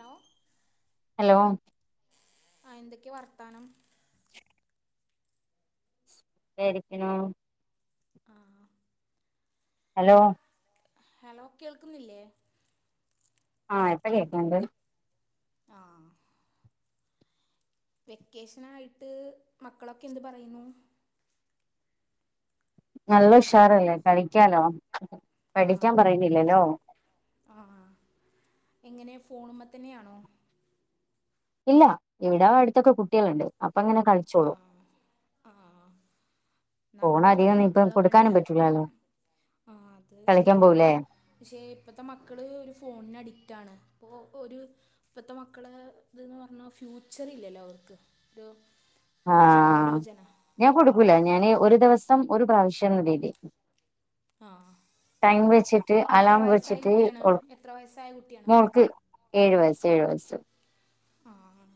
Hello hello ആ എന്തൊക്കെ വർത്താനം [unintelligible] രിക്കുണു ആ ഹലോ ഹലോ കേൾക്കുന്നില്ലേ ആഹ് എപ്പക്കൊക്കെയ ഉണ്ട് ആഹ് വെക്കേഷൻ ആയിട്ട് മക്കളൊക്കെ എന്ത് പറയുന്നു നല്ല ഉഷാറല്ലേ കളിക്കാലോ ആ പഠിക്കാൻ പറയുന്നില്ലല്ലോ ആ എങ്ങനെ ഫോണുമ്പ തന്നെയാണോ ഇല്ല ഇവിട അടുത്തൊക്കെ കുട്ടികളുണ്ട് അപ്പ അങ്ങനെ കളിച്ച ആഹ് ആഹ് ഫോൺ നമ്മളെ അധികം ഇവിടെയും ഇപ്പം മക്കളൊക്കെ ഇണ്ട് കൊടുക്കാനും പറ്റൂലല്ലോ ആഹ് അത് കളിക്കാൻ ശരിയാണ് പോവൂലേ ശ്ശെ ഇപ്പത്തെ മക്കള് ഒരു ഫോണിന് അഡിക്റ്റണ് ഇപ്പൊ ഒരു ഇപ്പത്തെ മക്കള് ഇതന്ന് പറഞ്ഞാ ഫ്യൂച്ചറില്ലല്ലോ അവർക്ക് ഒരു ച് ആഹ് -ആലോചന ഞാൻ കൊടുക്കൂല ഞാന് ഒരു ദിവസം ഒരു പ്രാവശ്യം ന്ന രീതി ആഹ് ടൈം വെച്ചിട്ട് അലാം വെച്ചിട്ട് ഒൾ എത്ര വയസ്സായ കുട്ടിയാണ് മോളുക്ക് ഏഴ് വയസ് ഏഴ് വസ്സ് ആഹ്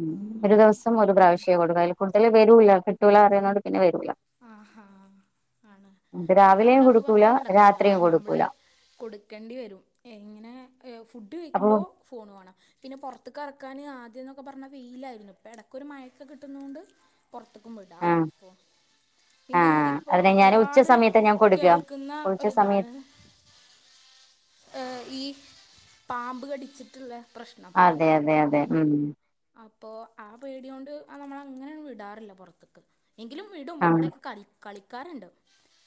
മ്മ് ഒരു ദിവസം ഒരു പ്രാവശ്യേ കൊടുക്ക അതിൽ കൂടുതൽ വരൂല്ല കിട്ടൂല അറിയാവുന്നോണ്ട് പിന്നെ വരൂല്ല ആഹാ ആണ് രാവിലെയും നമ്മളിവ്ട അത് കൊടുക്കൂല പറഞ്ഞാ നടക്കൂല രാത്രിയും നമ്മള് കൊടുക്കൂല കൊടുക്കെണ്ടി വരും ഇങ്ങനെ ഫുഡ് അപ്പൊ കയിക്കുമ്പോ ഫോണ് വേണം പിന്നെ പുറത്ത്ക്ക് എറക്കാന് ആദ്യം ന്നൊക്കെ പറഞ്ഞാ വെയിലാരുന്ന് ഇപ്പ ഇടക്കൊരു മഴൊക്കെ കിട്ടുന്നതൊണ്ട് പുറത്ത്ക്കും വിടാം ആ പ്പോ പിന്നെ ആഹ് ഇപ്പോ അതിനെ ഞാൻ ഉച്ച ഒരുപാട് സമയത്ത് ഞാൻ കൊടുക്കുക കേൾക്ക്ന്ന ഉച്ച ഒരിതാണ് സമയത്ത് ഏഹ് ഈ പാമ്പ് കടിച്ചിട്ടിള്ള പ്രശ്നം അതെ അതെ അതെ മ്മ് അപ്പൊ ആ പേടിയൊണ്ട് ആ നമ്മളങ്ങനങ്ങ് വിടാറില്ല പൊറത്ത്ക്ക് എങ്കിലും വിടും ആഹ് ഇവിടെയക്കെ കളി കളിക്കാറിണ്ട്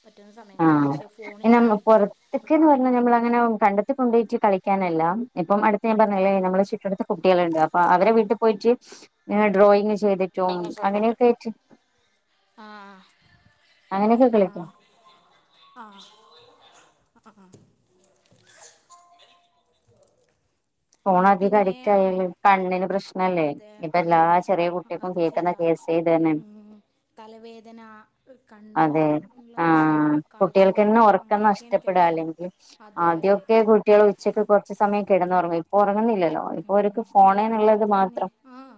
പറ്റുന്ന സമയങ്ങൾ ക്ഷേ ഫോണിനാണ് അഡിക്റ്റ് ത്ക്കെന്ന് പറഞ്ഞ ഞമ്മളങ്ങനെ കണ്ടത്തി കൊണ്ട് പോയിറ്റ് കളിക്കാനല്ല ഇപ്പം അടുത്ത് ഞാൻ ആ പറഞ്ഞല്ലേ നമ്മള ചുറ്റട്ടത്തൊ കുട്ടികളിണ്ട് അപ്പൊ അവരെ വീട്ടി പോയിറ്റ് ഡ്രോയിങ്ങ് ചെയ്തി ആഹ് അങ്ങനെയൊക്കെ കളിക്കും ആഹ് ആഹ് ആഹ് ഫോൺ അധിക പിന്നെ അഡിക്റ്റ് ആയാലും കണ്ണിന് പ്രശ് ശ്നല്ലേ അതെ ഇപ്പൊ ആ, എല്ലാ ചെറിയ കുട്ടികക്കും അത് കേക്കുന്ന ശരിയാ കേസ് ഇത് തന്നെ ഉം, തലവേദന കണ്ണ് അതെ ഇള്ള പ്രശ്നം ആഹ് കായ്ചക്കുറവ് അങ്ങനെയൊക്കെയാണ് കേൾക്കുന്നത് അതെ അതെ ആദ്യൊക്കെ കുട്ടികള് ഉച്ചയ്ക്ക് കുറച്ച് സമയം കിടന്ന് ഒറങ്ങും ഇപ്പൊ ഒറങ്ങുന്നില്ലല്ലോ ഇപ്പൊ ഓര്ക്ക് ഫോണേന്നിള്ളത് മാത്രം ആഹ്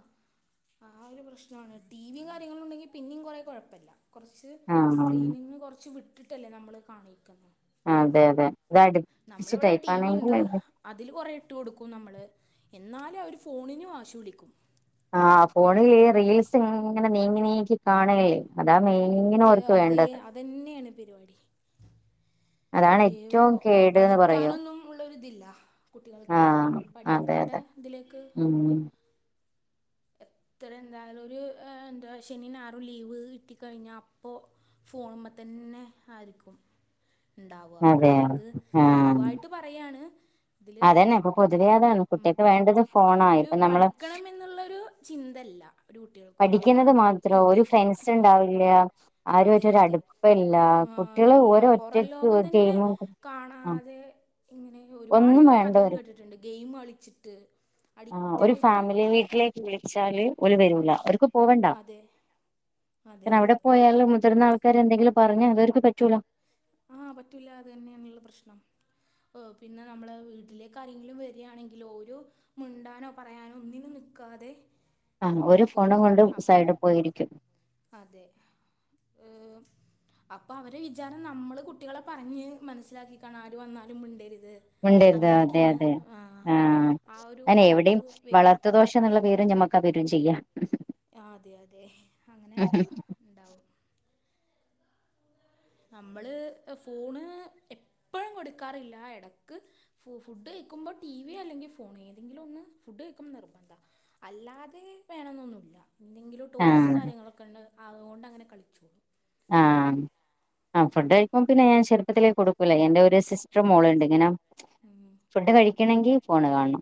ആ ഒരു പ്രശ്നാണ് ടിവിയും കാര്യങ്ങളും ഉണ്ടെങ്കി പിന്യും കുറെേ കുഴപ്പല്ല കുറച്ച് ആഹ് സ്ക്രീനിന്ന് കുറച്ച് വിട്ടിട്ടല്ലേ നമ്മള് കാണിക്കുന്ന ആഹ് അതെ അതെ ഇത് അടുപ്പിച്ച് ടൈപ്പാണെങ്കിൽ [unintelligible] അതില് കൊറേ ഇട്ട് കൊടുക്കും നമ്മള് എന്നാല് അവര് ഫോണിനു വാശി പിടിക്കും ആഹ് ഫോണില് ഈ റീൽസ് ഇങ്ങനെ നീങ്ങി നീക്കി കാണ്ല്ലേ അതാ മെയ്ങ്ങന ഏ, ഓർക്ക് അതേ വേണ്ടത് അതന്നെയാണ് അതാണ് ഏഹ് ഒരു ഏറ്റവും കേട്ന്ന് പറയും പഠിക്കാനൊന്നും ഉള്ളൊരിതില്ല കുട്ടികൾക്കെ അവര് പഠിക്കണ്ട ഇതിലേക്ക് മ്മ് എത്ര എന്തായാലും ഒരു എന്താ ശനി ഞാറും ലീവ് കിട്ടിക്കഴിഞ്ഞ അപ്പൊ ഫോണുമ്മത്തന്നെ ആയിര്ക്കും ഇണ്ടാവുഅ അതെ ഇത് ആഹ് പൊതുവായിട്ടും പറയാണ് ഇതില് അതന്നെ ഇപ്പൊ പൊതുവേ അതാണ് മ്മ്- കുട്ടികൾക്ക് വേണ്ടത് മ്മ് ഫോണാ ഒരു ഇപ്പൊ നമ്മള് പഠിക്കണം എന്നുള്ള രു ചിന്തല്ല ഒരു കുട്ടികൾക്കും പഠിക്കുന്നത് മാത്രോ കിട്ട് ഒരു ഫ്രണ്ട്സ് ഉണ്ടാവില്ല അതെ, ആരുമായിട്ട് ഒരു അതെ അടുപ്പല്ല ആഹ് കുട്ടികള് ഇല്ല ഓരോ പൊറം ഒറ്റക്ക് ലോകം തന്നെ ഗെയിമും ആ കാണാതെ ഇങ്ങനെ ഒരുപാട് ഒന്നും വേണ്ട ക-കഥകൾ അവർക്ക് കേട്ടിട്ടിണ്ട് ഗെയിം കളിച്ചിട്ട് ആഹ് ഒരു അഡിക്റ്റായിട്ട് ഫാമിലി വീട്ടിലേക്ക് വിളിച്ചാല് ഓല് വരൂല ഇല്ലേ ഓര്ക്ക് പോവണ്ടാ. അതെ അതെ പിന്ന അവിട അതെ പോയാല് മുതിർന്ന ആൾക്കാരെന്തെങ്കിലും പറഞ്ഞാ അതവര്ക്ക് പറ്റൂല. ആഹ് പറ്റൂല അത് തന്നെയാണ്ല്ല പ്രശ്നം. ഓഹ് പിന്നെ നമ്മളെ വീട്ടിലേക്കാരെങ്കിലും വര്യാണെങ്കിലോരു മുണ്ടാനോ പറയാനോ ഒന്നിനും നിക്കാതെ ആഹ് ഒരു ഫോണ്കൊണ്ടും സൈഡി പോയിരിക്കും. അതെ അപ്പ അവര് വിചാര നമ്മള് കുട്ടികളെ പറഞ്ഞ് മനസ്സിലാക്കി കാണ ആര് വന്നാലും മുണ്ടരുത്. മിണ്ടരുത് അതെ, അതെ ആഹ് ആ ഒരു അയിന് എവിടെയും ഇത് വരും വളർത്തു ദോഷ ന്നുള്ള പേരും ഞമ്മക്ക് അതരു ചെയ്യാം. ആഹ് അതെ, അതെ അങ്ങനെ ഇണ്ടാവ ഉണ്ടാവും. നമ്മള് ഫോണ് എപ്പഴും കൊടുക്കാറില്ല. ആ എടക്ക് ഫു, ഫുഡ് കയിക്കുമ്പോ ടിവിയ അല്ലെങ്കി ഫോണ് ഏതെങ്കിലും ഒന്ന് ഫുഡ് കഴിക്കമ്പ നിർബന്താ. അല്ലാതെ വേണെന്നൊന്നുല്ല. എന്തെങ്കിലും ആ ടോയ്സും കാര്യങ്ങളൊക്കെണ്ട് അതുകൊണ്ട്ങ്ങനെ കളിച്ചോളൂ. ആഹ് ആ ഫുഡ് കഴിക്ക്മ്പ പിന്നെ ഞാൻ ചെറുപ്പത്തിലേകൊടു ക്കൂല എന്റെ ഒരു സിസ്റ്ററ മോളുണ്ട് ഇങ്ങനെ ഉം. ഫുഡ് കഴിക്കണെങ്കി ഫോണ് കാണണം.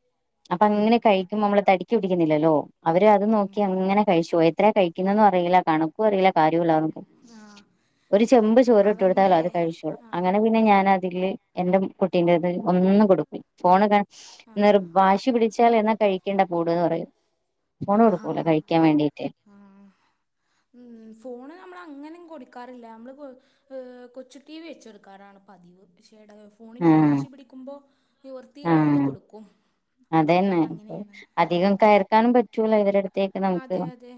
അപ്പൊ അങ്ങനെ കഴിക്കുമ്പോ നമ്മള് തടി പിടിക്കുന്നില്ലല്ലോ അവര് അത് നോക്കി അങ്ങനെ കഴിച്ചു പോ എത്ര കഴിക്കുന്നെന്നും അറിയില്ല കണക്കും അറിയില്ല. കാര്യോ ആ ഒരുചെമ്പ് ചോറ് എട്ടടുത്താലും അവൻ്റെ അത് കഴിച്ചോളും. ആ അങ്ങന പി പിന്നെ ഞാനതില് എന്റെ കുട്ടീന്റത് ഒന്ന് കൊടുക്ക ഫോണ് ക ആ നിർ വാശി പിടിച്ചാല് എന്നാ കഴിക്കണ്ട കുട്ന്ന് പറയും. ഫോണ് ടുക്കൂല കഴിക്കാൻ വേണ്ടീട്ട്. ആഹ് ഉം ഫോണ് നമ്മളങ്ങനെ കൊടുക്കാറില്ല നമ്മള് കൊ ഹ് കൊച്ചു ടി വി വെച്ചെടുക്കാറാണ് പതിവ് പക്ഷേട ഫോണിനും ആഹ് വാശി പിടിക്കുമ്പോ നിവർത്തിയെടോണ്ട് ആഹ് കൊടുക്കും. അങനെണ് ആഹ്. കാനും പറ്റൂല ഇവരട് അതെ, അതെ.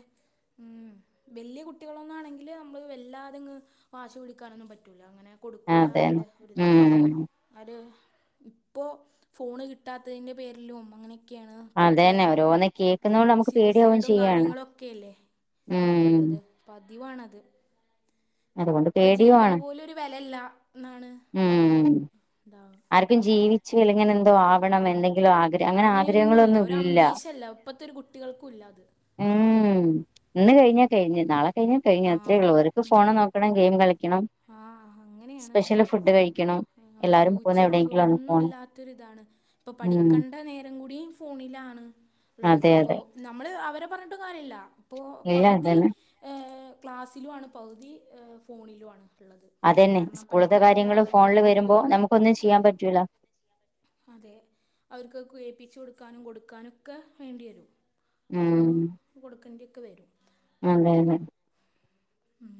ഉം വല്യ കുട്ടികളൊന്നുംആണെങ്കില് നമ്മൾ വല്ലാതെങ്ങ് വാശി പിടിക്കാനൊന്നും പറ്റൂല്ല അങ്ങനെ. അതെ കൊടുക്കൂലാന്നുള്ള ഒരിതില്. ഉം ആര് ഇപ്പോ ഫോണ് കിട്ടാത്തതിന്റെ പേരിലും അങ്ങനെ ക്കെണ്. പത്തെ അതന്നെ ഓരോന്ന് കേൾക്കുന്നോണ്ട് നമുക്ക് സ്യുസ് പേടിയാവും സൈഡും ചെയ്യാണ് കാര്യങ്ങളും ഒക്കെ അല്ലേ. ഉം പ്പഉള്ളത് പതിവാണത്. അതുകൊണ്ട് ഇപ്പൊ ജീവന് പേടിയുമാണ് പോലും ഒരു വെലല്ല എന്നാണ്. ഉം എന്ത ആർക്കും ജീവിച്ചു അല്ലങ്ങനെ എന്തോ ആവണം എന്തെങ്കിലും ആഗ്രഹ അങ്ങനെ അങ്ങനെയൊന്നുമില്ല ആഗ്രഹങ്ങളൊന്നും ഒരു ഇല്ല. അംബീഷല്ല ഇപ്പോഴത്തെ ഒരു കുട്ടികൾക്കും ഇല്ല അത് ഉം. ഇന്ന് കഴിഞ്ഞ കഴിഞ്ഞ് നാളെ കഴിഞ്ഞ കഴിഞ്ഞ ആ അത്രേ ഉള്ളൂ ഓര്ക്ക് ഫോണ നോക്ക ണം. ഗെയിം കളിക്കണം. ആഹ അങ്ങനെയാണ്. സ്പെഷ്യല് ഫുഡ് കഴിക്കണം. ആഹഫ്യൂ. എല്ലാരും പോകുന്ന ചറും എവിടെയെങ്കിലും ഒന്ന് ഒന്നും പോണം ഇല്ലാത്തൊരുഇതാണ് ഇപ്പൊ ഉം പഠിക്കണ്ട നേരം കൂടി ഫോണിലാണ് ഉള്ളത് അതെ ഇപ്പോ അതെ നമ്മള് അവരെ പറഞ്ഞിട്ട് കാര്യല്ല. ഇപ്പൊ ഇല്ല പകുതി അതന്നെ ഏക്ലാസ്സിലുമാണ് പകുതി ഫോണിലുമാണ്. ള്ളത്. അതന്നെ കാരണം സ്കൂളത്തെ പഠിക്കാനും കാര്യങ്ങള് കാര്യങ്ങളൾക്കൊക്കെ ഫോണില് ഉള്ള വരുമ്പോ വിടുന്നത് നമുക്കൊന്നും ചെയ്യാൻ അതെ. പറ്റൂല അതെ അവർക്ക് കേപ്പിച്ച് കൊടുക്കാനും കൊടുക്കാനൊക്കെ വേണ്ടി വരും. ഉം ഫോണ് കൊടുക്കേണ്ടി ഒക്കെ വരും. അതെ അതെ. ഉം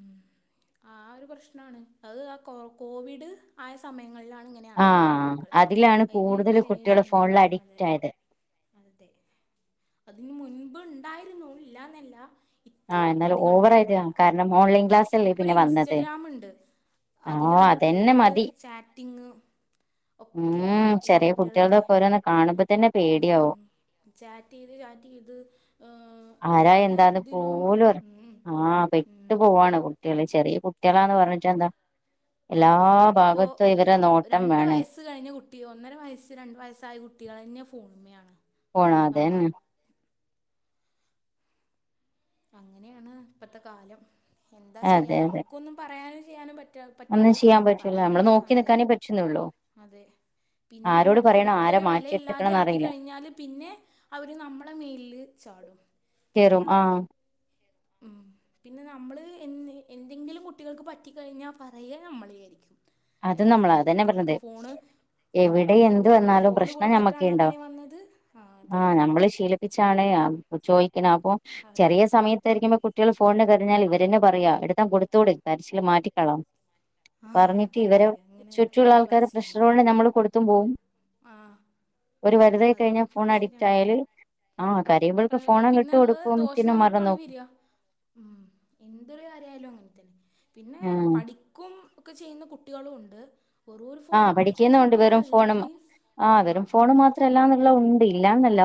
ആഹ ഒരു പ്രശ്നമാണ് അത് ആഹ കോവിഡ് ആയ സമയങ്ങളിലാണ് ഇങ്ങനെ ആയത് ആഹ് മക്കള്. അതിലാണ് അതിന് കൂടുതല് കുട്ടികള് ശേഷണ് ഫോണില് അതെ. അഡിക്റ്റ് ആയത് അതെ. അതിന് മുൻപ് ഉണ്ടായിരുന്നു ഇല്ലാന്നല്ല ഇത്ര ആഹ് എന്നാലും അധികം ഓവറായിട്ട് ഉണ്ടായിരുന്നില്ല. കാരണം ആഹ ഓൺലൈൻ ക്ലാസ് അല്ലേ ഇപ്പൊ ഒരു പിന്നെ വന്നത് ഇൻസ്റ്റഗ്രാാം ഉണ്ട്. ആഹ് അതിലാണ് അതന്നെ ഫുള്ള് മതി ചാറ്റിങ്. ഒക്കെ. ഉം വലിയ ചെറിയ കുട്ടികളൊക്കെ കുട്ടികളുടെക്കെ ഓരോന്ന് കാണുമ്പോ തന്നെ പേടിയാവും ഉം. ചാറ്റ് ചെയ്ത് ചാറ്റ് ചെയ്ത് ആരാ പല എന്താന്ന് ഇതിലും പോലും അറി മ് ആഹ് പെട്ട്പോവാണ് കുട്ട്യാള് ചെറിയ കുട്ട്യളാണ് അതെ പറഞ്ഞിട്ട് എന്താ. എല്ലാ അതെ ഭാഗത്തും ഇവരെ നോട്ടം വേണേയ് ത്കഴിഞ്ഞ കുട്ടി ഒന്നര വയസ്സ് രണ്ട് വയസ്സായ കുട്ട്യാളെന്നെ ഫോണിൽ ആണ് ഫോണ് അതെന്നെ അങ്ങനെയാണ് ഇപ്പത്തെ കാലം എന്താ ചെയ്യാ അതെ അതെ ന്നമുക്കൊന്നും പറയാനും ചെയ്യാനും പറ്റ് ട്ട്യാള് ഒന്നും പറ്റൂല ചെയ്യാൻ പറ്റൂല പറഞ്ഞാ നമ്മള് നോക്കി അതെ നിക്കാനേ പറ്റുന്നുള്ളൂ അതെ പിന്നെ ആരോട് ന്നമ്മളിത് പറയണം ആരാ കൊടുത്തൊരു വെലയില്ലാതെ മാറ്റിയെടുക്കണംന്ന് ആക്കി അറിയില്ല കഴിഞ്ഞാല് പിന്നെ അവര് ന്നമ്മളെമേല് ചാടും കേറും ആഹ മ്മ് പിന്നെ ന്നമ്മള് എന്ന് എന്തെങ്കിലും കുട്ടികൾക്ക് പറ്റി കഴിഞ്ഞാ പറയ ന്നമ്മളെ ആയ്രിക്കും. അത് എഹ് നമ്മള ഇന്ന് അതന്നെ പറഞ്ഞത് കുട്ടികൾക്ക് ഫോണ് ഉം എവിടെ ഫോ എന്ത് വന്നാലും ഫോണ് പ്രശ്നം ഞമ്മക്കേ കൊട്ത്ത്ട്ടാണ് ഉണ്ടാവൂ അങ്ങനെ വന്നത് ആഹ് അതെ. ഇചാണ് ചോയിക്ക്ണേ അപ്പോ അതെ ചെറിയ സമയത്തായ്രിക്കുമ്പോ കുട്ട് ട്ട്യാള് ഫോണിന് കരഞ്ഞാൽ ഇവരെന്നെ പറയാ എടുത് കൊടുത്തുട് കരച്ചില് മാറ്റിക്കളം ആ പറഞ്ഞ് അതെ തിവരം അതെ അങ്ങനെയുള്ള ചുറ്റുള്ള ഒരു ആൾക്കാരേ പ്രശ്നം കൊണ്ട് ഞമ്മള് കൊട്ത്തും പോവും. ആഹ് ഒരു പരുതായി കഴിഞ്ഞാ ഫോൺ അഡിക്റ്റ് ശരിയാണ് ആയാല് ആഹ് കരയുമ്പൾക്ക് പ്ര- ഫോണങ്ങ് പിന്നെ ഉള്ള ദോഷം ഇട്ട്കൊട്ക്കോംത്തിന് നമുക്കാണ് മറന്നോകും. വരിക ഉം എന്തോരു കാര്യായാലും അങ്ങൻതന്നെ പിന്നെ ആഹ് പഠി ക്കും ഒക്കെ ചെയ്യുന്ന കുട്ട്യാളുണ്ട് വെറും ഒരു ആഹ് ഫോണുമ്മെ അഡിറ്റായ പഠിക്കുന്നുണ്ട് വെറും കുട്ടികളല്ലാതിം ആഹ് ട്ടല്ലന്ന്ള്ളെ ഉണ്ട് ഇല്ലാന്നല്ല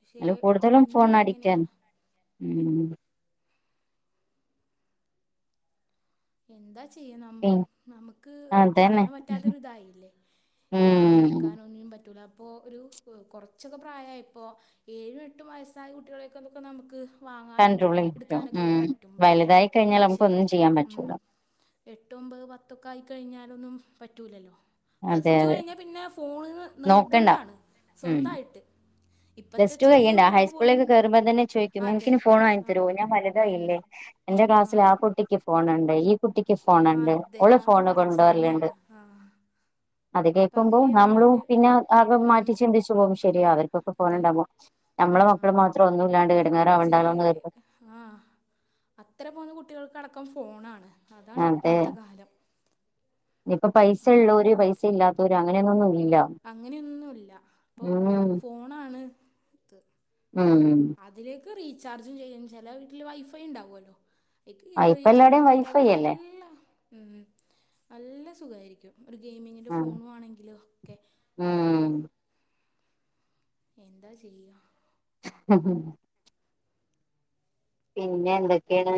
പക്ഷേ കൂടുതലും ഇന്ന് ഫോണിനടിറ്റാണ്. ഇങ്ങനെയാണ് മ്മ് എന്താ ചെയ്യ ന്നമ്ക്ക് അതന്നെ പറയാൻ പറ്റാത്തൊരു ഇതായില്ലേ. യ് വാങ്ങി ഉം വെക്കാനൊന്നിനും പറ്റൂല. പ്പോഒരു ഹ് കൊറച്ചൊക്കെ പ്രായായപ്പോഏഴും എട്ടും വയസ്സായ കുട്ടികളൊക്കെന്നൊക്കെ ന്മുക്ക് വാങ്ങാനും കൺട്രോൾ കിട്ടും ഇട്ക്കാനൊക്കെ ഉം പറ്റും മ്പറ്റെ വലുതായി കഴിഞ്ഞാൽ നമുക്ക് പക്ഷേ ഒന്നും ചെയ്യാൻ ഉം, പറ്റൂല എട്ട് ഒമ്പെ പത്തൊക്കായിക്കഴിഞ്ഞാലൊന്നും പറ്റൂല്ലല്ലോ പ്ലസ് അതെ റ്റു അതെ കഴിഞ്ഞാ പിന്നെ ഫോണ് ന്ന് നോക്കണ്ട നിർബന്ധാണ് ഉം സ്വന്തായിട്ട് പ്ലസ് റ്റു കയ്യണ്ട ഹൈസ്കൂളിലേക്ക് കേറുമ്പോ തന്നെ ചോയ്ക്കും അതെ എൻഫിന് ഫോൺവാങ്ങി ആ തരോ ഞാൻ ആ വലുതായില്ലെ എന്നെ എന്റെ ക്ലാസ്സിലാ ആ കുട്ടിക്ക് ഫോണ് ണ്ട് ഈ കുട്ടിക്ക് ഫോണ് ആ ണ്ട് അതെ ഓള് ആ ഫോണ് കൊണ്ട് പറച്ചിൽ വെരൽണ്ട് തന്നെയാണ് ആ അത് അപ്പം കേക്കുമ്പോ അങ്ങനെയുള്ള ന്നമ്മളും ഒരു പിന്നെ ആകെ ഉം, മാറ്റി ചിന്തിച് യ്പോവും ശരിയാ അവർക്കൊക്കെ ഫോണ് അതെ ണ്ടാവുമ്പോ ഞമ്മളെ ആ മക്കള് മാത്രം ഒന്നുല്ലാണ്ട് എടങ്ങേറാവണ്ടാന്ന് കെര്തും ആഹ് അത്ര പോന്ന കുട്ട്യാൾക്ക് അടക്കം ഫോണാണ് അതാണ് അതെ ഇന്നത്തെ കാലം ഇപ്പൊ പൈസ ഉം. ഇള്ളോര് പൈസ ഇല്ലാത്തോര് അങ്ങനെന്നുന്നുല്ല അങ്ങനെയൊന്നുംല്ല ഇപ്പൊ ഫോണാണ് ഇത് ഉം അതിലേക്ക് റീചാർജുംചെയ്യും ചെല വീട്ടില് വൈഫൈണ്ടാവോലോ അയ്ക്ക് ഇപ്പ റീചാർജും എല്ലാടേം ചെയ്ത വൈഫൈ ഓൽക്ക് അല്ലേ ന്നല്ല ഉം ന്നല്ല സുഖായിരിക്കും ഒര് ഗെയിമിങ്ങി്ന്റെ ആഹ് ഫോണു ആണെങ്കിലൊക്കെ ഉം എന്താ ചെയ്യാ ഉം ഹ് ഹ് പിന്നെ എന്തക്കേണ്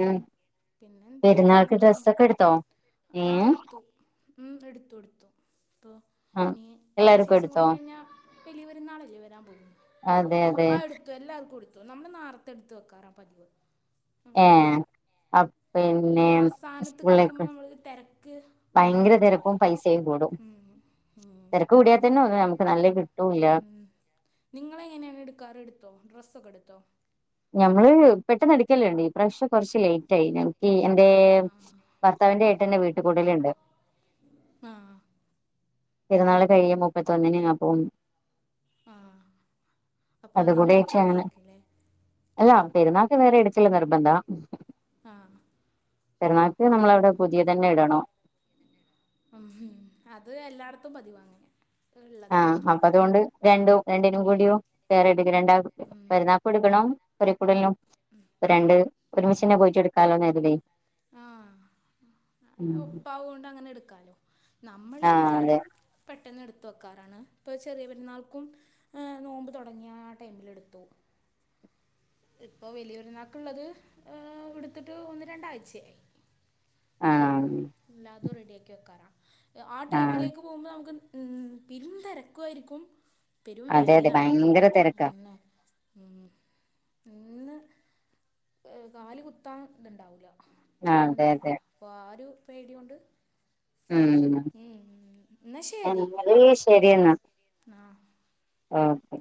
പിന്നെന്താ അങ്ങനെ പോണൂ ആഹ് ഏഹ് ഇട്ത്തു ഉം ഇട്ത്തു ഇട്ത്തു ഇപ്പൊ ആഹ് ഇഞ്ഞി എല്ലാർക്കും കൊർച്ചീസം കൂടി എടുത്തോ കഴിഞ്ഞാ വലിയ പെരുന്നാളല്ലെ വരാൻ പോവുന്നെ അതെ അതെ ആഹ് എട് ത്തു എല്ലാർക്കും ഇട്ത്തു ന്നമ്മള് ന്നാർത്തെ ഇട്ത്ത് വെക്കാറാ പതിവ് ഉം. ഏഹ് ഈ അപിന്നെ അവസാനത്തേക്ക് വെക്കുമ്പോൾ സ്കൂളിലേക്കും നമ്മൾ തിരക്ക് ഭയങ്കര കൂടൂലേ തെരക്കും പൈസയും കൂടും ഉം. ഉം. തെരക്ക് കൂടിയാത്തന്നെ ഒന്നും നമുക്ക് നല്ല കിട്ടൂല്ല നിങ്ങളെങ്ങനേണ് ഇട്ക്കാറ് എട്ത്തോ ഡ്രസ്സൊക്കെ എട്ത്തോ ഞമ്മള് പെട്ടെന്ന് എട്ക്കല്ണ്ട് ഈ പ്രാവശ്യം കെറച്ച് ലേറ്റ് ആയി ഞങ്ങ ഈ എന്റേ ആ ഭർത്താവിന്റെ ഏട്ടന്റെ വീട്ട്കൂടല്ണ്ട് ആഹ് പെര്ന്നാള് കഴിയ മുപ്പത്തൊന്ന്ന് അപ്പോ ആഹ് അപ്പൊ അതിന് അതുകൂടെ അങ്ങനെ ഇട്ക്കാനായിക്ക്ല്ലേ അല്ല പെരുന്നാക്ക് വേറെ എടുക്കല് നിർബന്ധാ ആഹ് പെരുന്നാക്ക് നമ്മള അവിടെ പുതേതന്നെ ഇടണം ഉം അത് എല്ലാടത്തും പതിവാങ്ങനെ ആഹ് ഇള്ളതാണ് അപ്പൊ അതുകൊണ്ട് രണ്ടോ രണ്ടിനും കൂടിയോ വോറട്ക്ക് രണ്ടാ പെരുന്നാക്കും എട്ക്കണം പൊരീകൂടൽനും രണ്ട് ഉം ഒരുമിചന്നെ പോയിട്ട് എടുക്കാലോന്ന് കരുതി ഒപ്പാവോണ്ട് അങ്ങനെ എടുക്കാലോ നമ്മള് ആഹ് അതെ പെട്ടെന്ന് എട്ത്ത് വെക്കാറാണ് ഇപ്പൊ ചെറിയ പെരുന്നാൾക്കും ആഹ് നോമ്പ് തൊടങ്ങിയ ആ ടൈമില് എട്ത്തു ഇപ്പൊ വലിയരുന്നാക്ള്ളത് ഇട്ത്തിട്ട് ഒന്ന് രണ്ടാഴ്ചയായി പ്പോ ആഹ് എല്ലാതും റെഡിയാക്കി വെക്കാറാ ആ ആഹ് ടൈമിലേക്ക് പോകുമ്പോ ന്നമക്ക് ഉം പെരും തെരക്കോയിരിക്കും പെരും അതെ അതെ വെലയാണ് ഭയങ്കര തിരക്കാ പിന്നെ ഉം ഇന്ന് ഏ് കാല് കുത്താൻ ഇത്ണ്ടാവൂല ആഹ് അത്രയും അതെ അതെ തെരക്കാ അപ്പൊ ആ ഒരു പേടിയോണ്ട് ഉം ഉം ഇന്നാ ശരി. ശരി എന്നാ. ആഹ്. ആഹ്